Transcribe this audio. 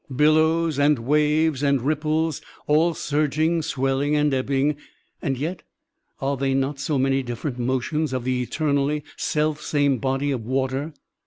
Billows and waves and ripples, all surging, swelling, and ebbing, and yet are they not so many different motions of the eternally selfsame tody of water?